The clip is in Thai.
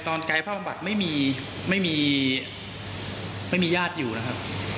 ตอนกายภาพอัมบัติไม่มีไม่มีไม่มีญาติอยู่นะครับ